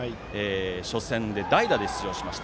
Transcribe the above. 初戦で代打で出場しました。